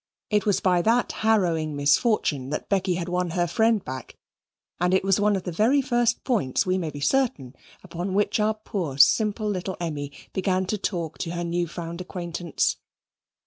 It was by that harrowing misfortune that Becky had won her friend back, and it was one of the very first points, we may be certain, upon which our poor simple little Emmy began to talk to her new found acquaintance.